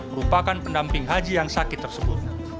merupakan pendamping haji yang sakit tersebut